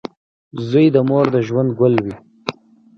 • زوی د مور د ژوند ګل وي.